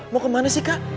mau kemana sih kak